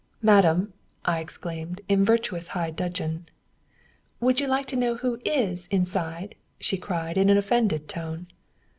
"Madame!" I exclaimed, in virtuous high dudgeon. "Would you like to know who is inside?" she cried, in an offended tone.